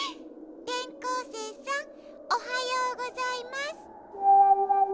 てん校せいさんおはようございます。